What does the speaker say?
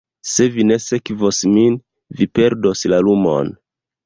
Se vi ne sekvos min, vi perdos la lumon.